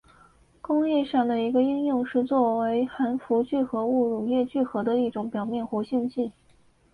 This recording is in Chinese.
工业上的一个应用是作为含氟聚合物乳液聚合的一种表面活性剂。